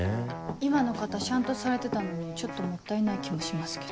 今の方しゃんとされてたのにちょっともったいない気もしますけど。